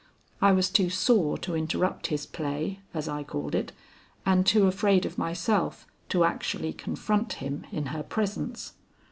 I was too sore to interrupt his play, as I called it, and too afraid of myself to actually confront him in her presence.